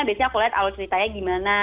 biasanya aku lihat alur ceritanya gimana